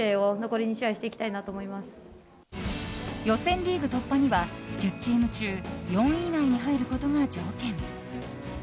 予選リーグ突破には１０チーム中、４位以内に入ることが条件。